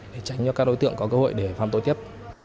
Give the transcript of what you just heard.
để tránh cho các đối tượng có cơ hội để phạm tội tiếp